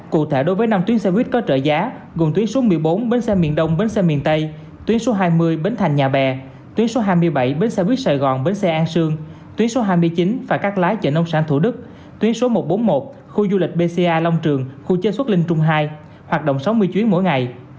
cụ thể đối với năm tuyến xe buýt có trợ giá gồm tuyến số một mươi bốn bến xe miền đông bến xe miền tây tuyến số hai mươi bến thành nhà bè tuyến số hai mươi bảy bến xe buýt sài gòn bến xe an sương tuyến số hai mươi chín phà cắt lái chợ nông sản thủ đức tuyến số một trăm bốn mươi một khu du lịch bca long trường khu chế xuất linh trung hai hoạt động sáu mươi chuyến mỗi ngày